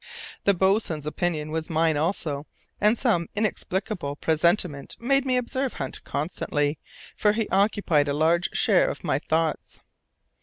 The boatswain's opinion was mine also, and some inexplicable presentiment made me observe Hunt constantly, for he occupied a large share of my thoughts.